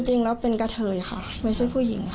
จริงแล้วเป็นกะเทยค่ะไม่ใช่ผู้หญิงค่ะ